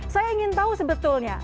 saya ingin tahu sebetulnya